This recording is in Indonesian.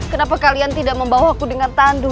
kenapa kalian tidak membawaku dengan tandu